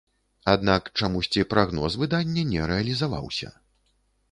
Аднак чамусьці прагноз выдання не рэалізаваўся.